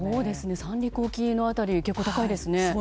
三陸沖の辺りが結構高いですね。